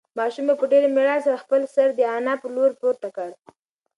ماشوم په ډېرې مېړانې سره خپل سر د انا په لور پورته کړ.